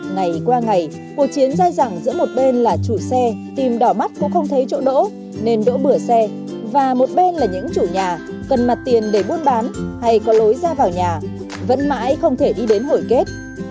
ngày qua ngày cuộc chiến dài dẳng giữa một bên là chủ xe tìm đỏ mắt cũng không thấy chỗ đỗ nên đỗ bưởi xe và một bên là những chủ nhà cần mặt tiền để buôn bán hay có lối ra vào nhà vẫn mãi không thể đi đến hồi kết